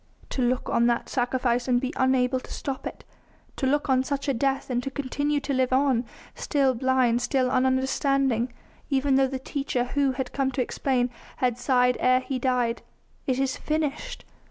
To look on that sacrifice and be unable to stop it. To look on such a death and to continue to live on, still blind, still ununderstanding, even though the Teacher Who had come to explain had sighed ere he died: "It is finished!"